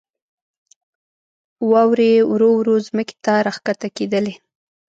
واورې ورو ورو ځمکې ته راکښته کېدلې.